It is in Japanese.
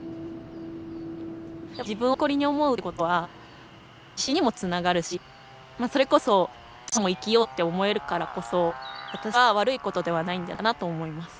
やっぱり自分を誇りに思うってことは自信にもつながるしそれこそ明日も生きようって思えるからこそ私は悪いことではないんじゃないかなと思います。